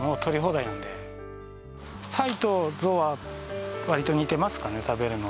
サイとゾウは割と似てますかね食べるの。